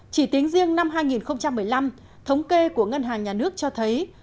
chỉ tính riêng năm hai nghìn một mươi năm thống kê của ngân hàng nhà nước cho thấy